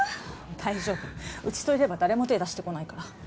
大丈夫うちといれば誰も手出してこないから。